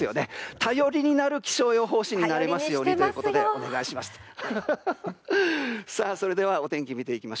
頼りになる気象予報士になれますようにということでお願いします。